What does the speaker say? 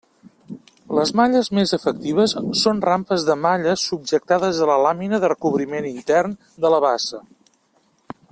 Les malles més efectives són rampes de malla subjectades a la làmina de recobriment intern de la bassa.